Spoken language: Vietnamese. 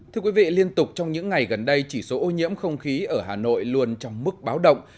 thưa quý vị liên tục trong những ngày gần đây chỉ số ô nhiễm không khí ở hà nội luôn trong mức báo động